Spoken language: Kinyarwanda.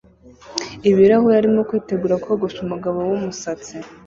ibirahuri arimo kwitegura kogosha umugabo wumusatsi